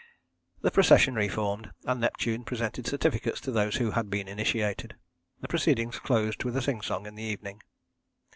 The procession re formed, and Neptune presented certificates to those who had been initiated. The proceedings closed with a sing song in the evening.